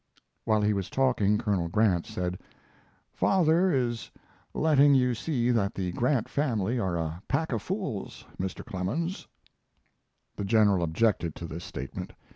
While he was talking Colonel Grant said: "Father is letting you see that the Grant family are a pack of fools, Mr. Clemens." The General objected to this statement.